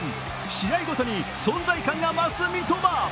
試合ごとに存在感が増す三笘！